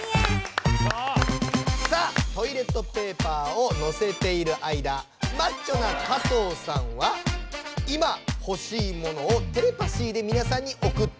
さあトイレットペーパーをのせている間マッチョな加藤さんは今ほしいものをテレパシーでみなさんに送っていました。